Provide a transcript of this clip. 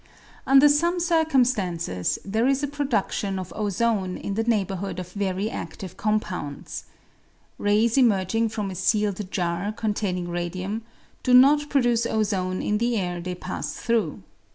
Under some circumstances there is a produdion of ozone in the neighbourhood of very adive compounds. Rays emerging from a sealed jar containing radium do not pro duce ozone in the air they pass through.